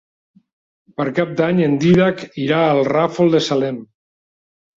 Per Cap d'Any en Dídac irà al Ràfol de Salem.